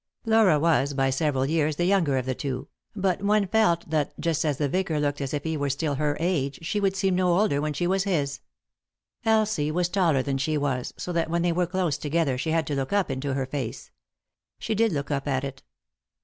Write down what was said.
Laura was, by several years, the younger of the two : but one felt that, just as the vicar looked as if he were still her age, she would seem no older when she was his. Elsie was taller than she was; so that when they were close together she had to look up into her face. She did look up at it.